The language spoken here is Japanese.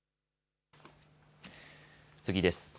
次です。